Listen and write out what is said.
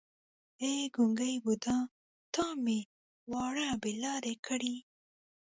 ای ګونګی بوډا تا مې وراره بې لارې کړی.